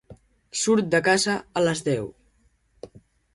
Surt de casa a les deu.